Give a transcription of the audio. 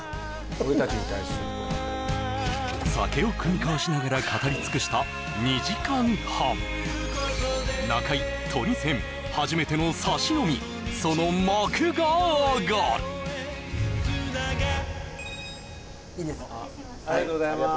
俺たちに対する酒を酌み交わしながら語り尽くした２時間半初めてのサシ飲みその幕が上がるありがとうございます